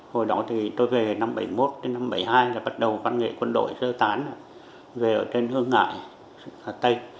hồi đó thì tôi về năm bảy mươi một đến năm bảy mươi hai là bắt đầu văn nghệ quân đội sơ tán về ở trên hương ngại hà tây